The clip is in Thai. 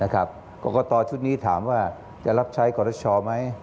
กรกตชุดนี้ถามว่าจะรับใช้กรชอไหม